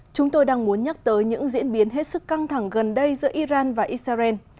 chúng tôi đang muốn nhắc tới những diễn biến hết sức căng thẳng gần đây giữa iran và israel